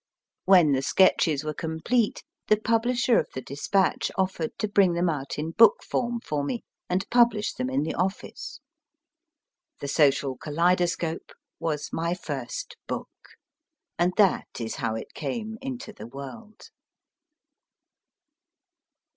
When the sketches were complete, the publisher of the Dispatcli offered to bring them out in book form for me and publish them in the office. The Social Kaleidoscope was my first book, and that is how it came into the world.